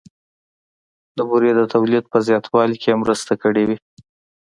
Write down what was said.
د بورې د تولید په زیاتوالي کې یې مرسته کړې وي